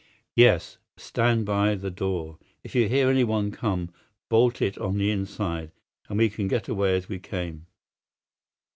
"Yes; stand by the door. If you hear anyone come, bolt it on the inside, and we can get away as we came.